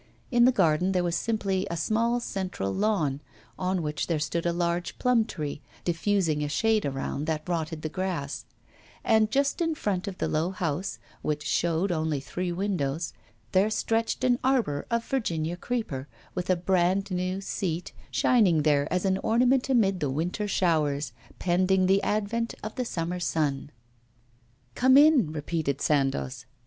In the garden there was simply a small central lawn, on which there stood a large plum tree, diffusing a shade around that rotted the grass; and just in front of the low house, which showed only three windows, there stretched an arbour of Virginia creeper, with a brand new seat shining there as an ornament amid the winter showers, pending the advent of the summer sun. 'Come in,' repeated Sandoz.